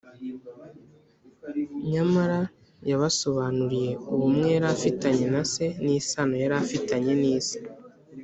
nyamara yabasobanuriye ubumwe yari afitanye na se n’isano yari afitanye n’isi